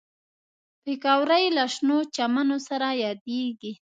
پکورې له شنو چمنو سره یادېږي